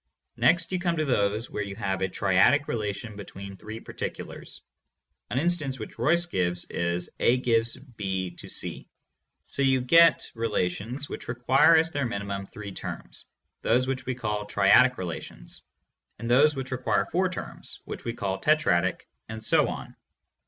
Next you come to those where you have a triadic relation between three particulars. (An instance which Royce gives is "A gives B to C") So you get relations which require as their minimum three terms, those we call triadic relations ; and those which require four terms, which we call tetradic, and so on.